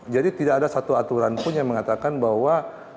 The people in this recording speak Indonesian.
jadi tidak ada satu aturan pun yang mengatakan bahwa